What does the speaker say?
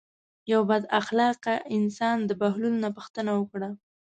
یو بد اخلاقه انسان د بهلول نه پوښتنه وکړه.